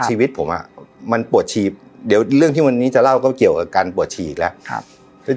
ชีวิตผมมันปวดฉีดเดี๋ยวเรื่องที่วันนี้จะเล่าก็เกี่ยวกับการปวดฉีดแล้ว